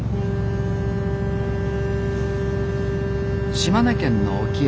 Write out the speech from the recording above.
島根県の沖合。